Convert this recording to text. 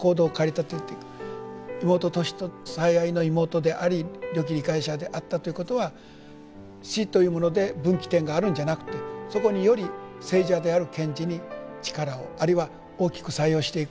妹トシと最愛の妹でありよき理解者であったということは死というもので分岐点があるんじゃなくてそこにより生者である賢治に力をあるいは大きく作用していく。